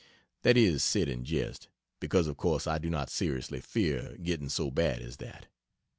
(That is said in jest; because of course I do not seriously fear getting so bad as that.